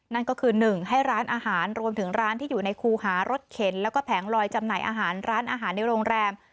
นั่นก็คือ๑ให้ร้านอาหารรวมถึงร้านที่อยู่ในคูหารถเข็นแล้วก็แผงลอยจำหน่ายอาหารร้านอาหารในโรงแรม